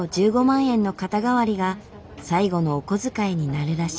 １５万円の肩代わりが最後のお小遣いになるらしい。